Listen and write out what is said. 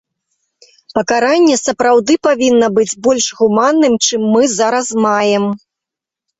Пакаранне сапраўды павінна быць больш гуманным, чым мы зараз маем.